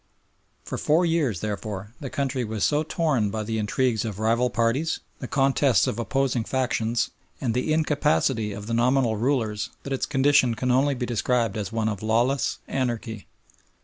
For four years, therefore, the country was so torn by the intrigues of rival parties, the contests of opposing factions, and the incapacity of the nominal rulers that its condition can only be described as one of lawless anarchy.